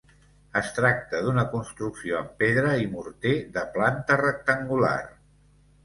Es tracta d'una construcció en pedra i morter de planta rectangular.